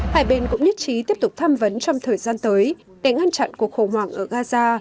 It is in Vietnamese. hai bên cũng nhất trí tiếp tục tham vấn trong thời gian tới để ngăn chặn cuộc khủng hoảng ở gaza